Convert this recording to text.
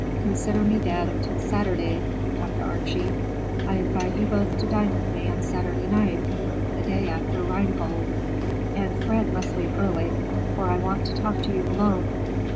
Consider me dead until Saturday, Dr. Archie. I invite you both to dine with me on Saturday night, the day after 'Rheingold.' And Fred must leave early, for I want to talk to you alone.